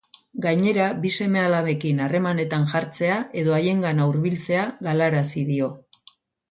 Gainera, bi seme-alabekin harremanetan jartzea edo haiengana hurbiltzea galarazi dio.